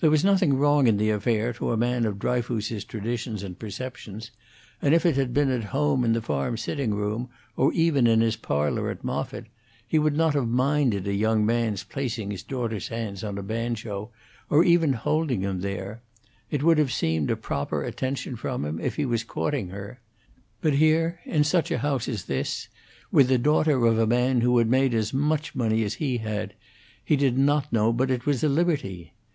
There was nothing wrong in the affair to a man of Dryfoos's traditions and perceptions, and if it had been at home in the farm sitting room, or even in his parlor at Moffitt, he would not have minded a young man's placing his daughter's hands on a banjo, or even holding them there; it would have seemed a proper, attention from him if he was courting her. But here, in such a house as this, with the daughter of a man who had made as much money as he had, he did not know but it was a liberty.